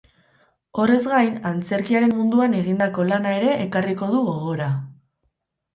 Horrez gain, antzerkiaren munduan egindako lana ere ekarriko du gogora.